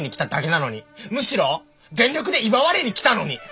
むしろ全力で祝われに来たのに！